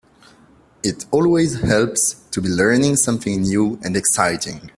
It always helps to be learning something new and exciting.